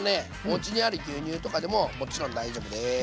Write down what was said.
おうちにある牛乳とかでももちろん大丈夫です。